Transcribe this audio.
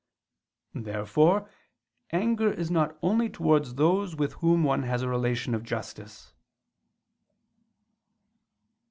Therefore anger is not only towards those with whom one has a relation of justice.